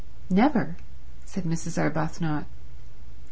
"Never," said Mrs. Arbuthnot.